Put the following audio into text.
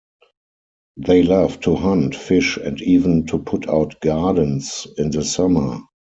They loved to hunt, fish and even to put out gardens in the summer.